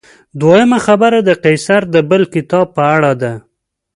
دویمه خبره د قیصر د بل کتاب په اړه ده.